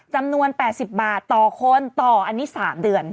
จำนวน๘๐บาทต่อคนต่ออันนี้๓เดือน